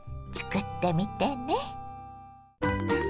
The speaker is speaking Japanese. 作ってみてね。